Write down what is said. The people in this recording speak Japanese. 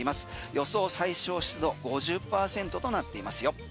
予想最小湿度５０％となっていますよ。